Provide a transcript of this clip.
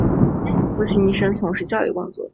父亲一生从事教育工作。